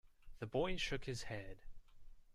The boy shook his head.